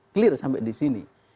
clear sampai di sini